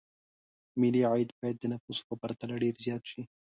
ملي عاید باید د نفوسو په پرتله ډېر زیات شي.